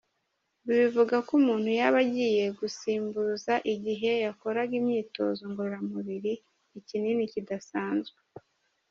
Ibi bivuga ko umuntu yaba agiye gusimbuza igihe yakoraga imyitozo ngororamubiri ikinini kidasanzwe.